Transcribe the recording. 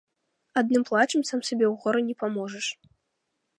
Адным плачам сам сабе ў горы не паможаш.